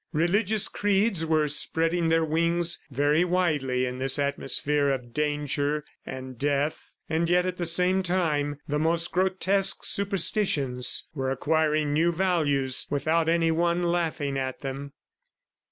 Religious creeds were spreading their wings very widely in this atmosphere of danger and death, and yet at the same time, the most grotesque superstitions were acquiring new values without any one laughing at them.